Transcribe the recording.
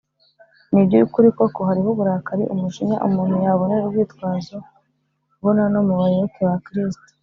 ni iby’ukuri koko hariho uburakari/umujinya umuntu yabonera urwitwazo, bona no mu bayoboke ba kristo